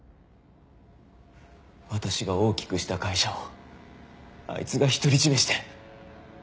私が大きくした会社をあいつが独り占めして。